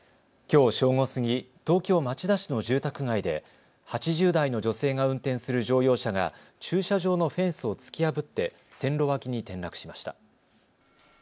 きょう正午過ぎ、東京町田市の住宅街で８０代の女性が運転する乗用車が駐車場のフェンスを突き破って線路脇に転落しました。